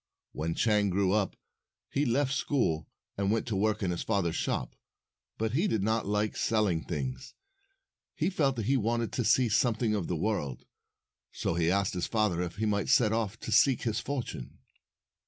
When Chang grew up, he left school, and went to work in his father's shop. But he did not like selling things. He felt that he wanted to see something of the world. So he asked his father if he might set off to seek his fortune.